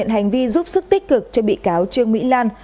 các bị cáo đã được nhận hành vi giúp sức tích cực cho bị cáo trương mỹ lan